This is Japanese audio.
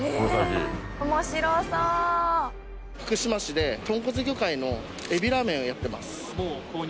福島市で豚骨魚介のえびラーメンをやってます。